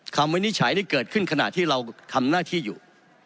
วินิจฉัยนี่เกิดขึ้นขณะที่เราทำหน้าที่อยู่